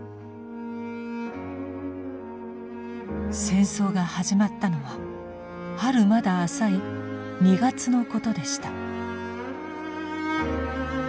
戦争が始まったのは春まだ浅い２月のことでした。